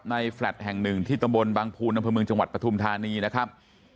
ในแฟลตแห่งหนึ่งที่ตำบลบังพูนนมจปฐูมิธานีนะครับ